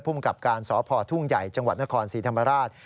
ผู้มีกรรมการสพทุ่งใหญ่จนสีธรรมราช